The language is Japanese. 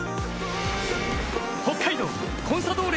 北海道コンサドーレ